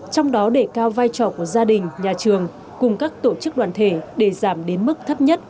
trong đó để cao vai trò của gia đình nhà trường cùng các tổ chức đoàn thể để giảm đến mức thấp nhất